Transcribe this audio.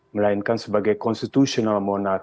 melainkan sebagai monark konstitusional